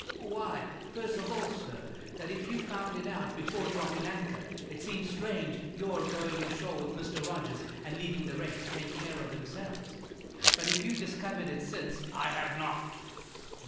"Why, first of all, sir, that if you found it out before dropping anchor, it seems strange your going ashore with Mr. Rogers and leaving the rest to take care of themselves. But if you've discovered it since " "I have not.